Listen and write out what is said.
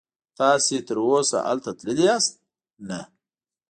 تاسې تراوسه هلته تللي یاست؟ نه.